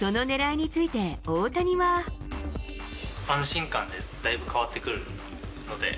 安心感でだいぶ変わってくるので。